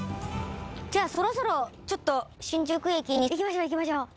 じゃあそろそろちょっと新宿駅に行きましょう行きましょう。